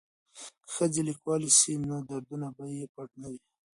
که ښځې لیکوالې شي نو دردونه به یې پټ نه وي.